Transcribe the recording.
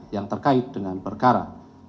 yang terkait dengan perkara